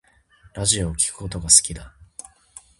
ラジオを聴くことが好きだ